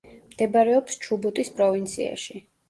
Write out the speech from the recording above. მდებარეობს ჩუბუტის პროვინციაში.